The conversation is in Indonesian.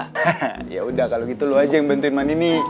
hahaha ya udah kalo gitu lo aja yang bantuin manini